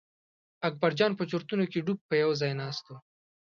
اکبرجان په چورتونو کې ډوب په یوه ځای ناست و.